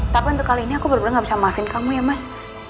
tapi untuk kali ini aku benar benar gak bisa maafin kamu ya mas